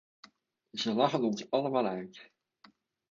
Ze lachen ons allemaal uit.